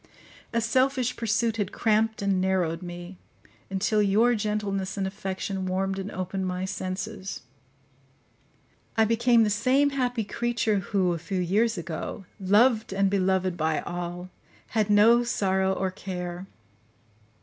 A selfish pursuit had cramped and narrowed me, until your gentleness and affection warmed and opened my senses; I became the same happy creature who, a few years ago, loved and beloved by all, had no sorrow or care.